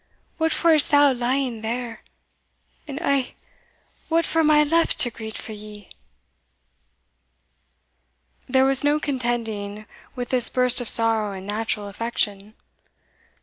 what for is thou lying there! and eh! what for am I left to greet for ye!" There was no contending with this burst of sorrow and natural affection.